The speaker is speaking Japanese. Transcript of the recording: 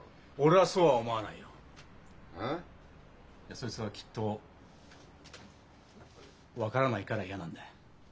そいつはきっと分からないから嫌なんだよ。